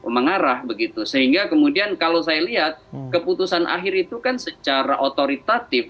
mengarah begitu sehingga kemudian kalau saya lihat keputusan akhir itu kan secara otoritatif